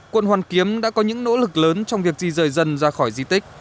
quận hoàn kiếm đã có những nỗ lực lớn trong việc di rời dân ra khỏi di tích